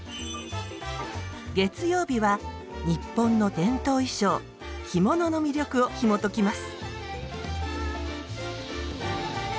月曜日は日本の伝統衣装着物の魅力をひもときます。